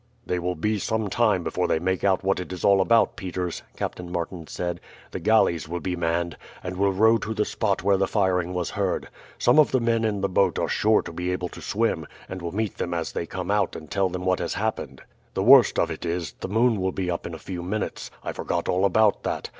"They will be some time before they make out what it is all about, Peters," Captain Martin said. "The galleys will be manned, and will row to the spot where the firing was heard. Some of the men in the boat are sure to be able to swim, and will meet them as they come out and tell them what has happened. The worst of it is, the moon will be up in a few minutes. I forgot all about that.